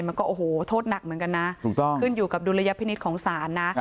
มันก็โอ้โหโทษหนักเหมือนกันนะถูกต้องขึ้นอยู่กับดุลยพินิษฐ์ของศาลนะ